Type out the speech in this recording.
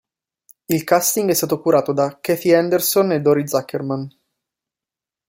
Il casting è stato curato da Cathy Henderson e Dori Zuckerman.